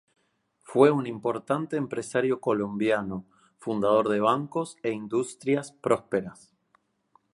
Fue un importante empresario colombiano, fundador de bancos e industrias prósperas.